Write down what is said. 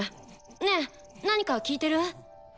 ねえ何か聞いてる？